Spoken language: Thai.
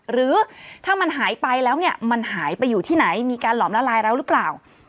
หรือถ้ามันหายไปแล้วเนี่ยมันหายไปอยู่ที่ไหนมีการหลอมละลายเราหรือเปล่า